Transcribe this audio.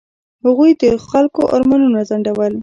هغوی د خلکو ارمانونه ځنډول.